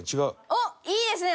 おっいいですね